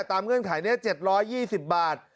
ตามเงื่อนไข๗๒๐บาท